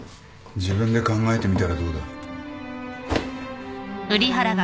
自分で考えてみたらどうだ。